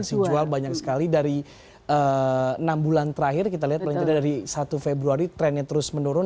transaksi jual banyak sekali dari enam bulan terakhir kita lihat paling tidak dari satu februari trennya terus menurun